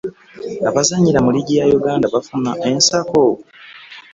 Abazannyira mu liigi ya Uganda bafuna ensako ?